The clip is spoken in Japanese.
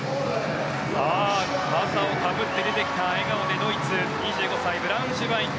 笠をかぶって出てきた笑顔でドイツの２５歳ブラウンシュバイク。